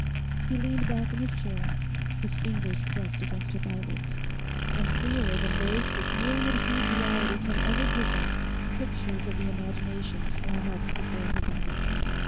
He leant back in his chair, his fingers pressed against his eyelids. And clearer than those which myriad hued reality can ever present, pictures of the imagination swam up before his eyes.